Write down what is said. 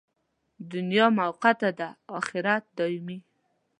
دنیا موقته ده، اخرت دایمي.